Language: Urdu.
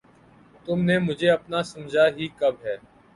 تم نے مجھے اپنا سمجھا ہی کب ہے!